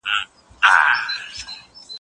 پر مځکي باندې د واوري سپین پوړ پروت و.